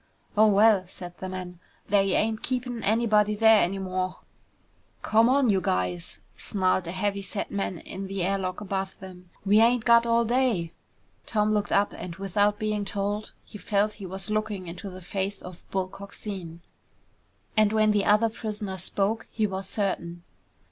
"Oh, well," said the man, "they ain't keepin' anybody there anymore!" "Come on you guys," snarled a heavy set man in the air lock above them. "We ain't got all day!" Tom looked up, and without being told, he felt he was looking into the face of Bull Coxine. And when the other prisoner spoke, he was certain.